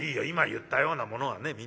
今言ったようなものはね